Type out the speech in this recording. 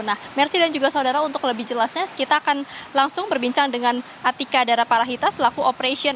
nah mercy dan juga saudara untuk lebih jelasnya kita akan langsung berbincang dengan atika daraparahita selaku operation